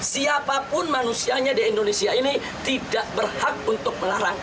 siapapun manusianya di indonesia ini tidak berhak untuk melarang